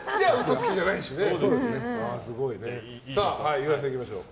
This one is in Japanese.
岩井さん、行きましょう。